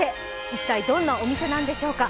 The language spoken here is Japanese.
一体、どんなお店なんでしょうか。